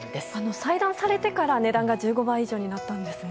裁断されてから値段が１５倍以上になったんですね。